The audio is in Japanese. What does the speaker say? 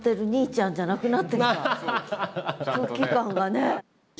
空気感がね。